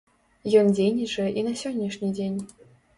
Ён дзейнічае і на сённяшні дзень.